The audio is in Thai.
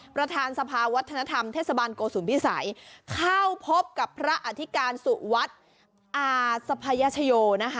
ประธานสภาวัฒนธรรมเทศบาลโกสุมพิสัยเข้าพบกับพระอธิการสุวัสดิ์อาสพยชโยนะคะ